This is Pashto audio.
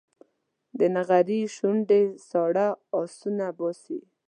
د نغري شوندې ساړه اهونه باسي